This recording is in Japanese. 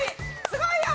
すごいよ！